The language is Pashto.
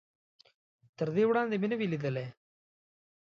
تر دې وړاندې مې نه و ليدلی.